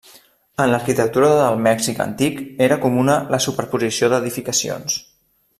En l'arquitectura del Mèxic antic era comuna la superposició d'edificacions.